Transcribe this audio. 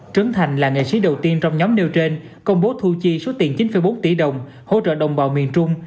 trấn thành là nghệ sĩ đầu tiên trong nhóm nêu trên công bố thu chi số tiền chín bốn tỷ đồng hỗ trợ đồng bào miền trung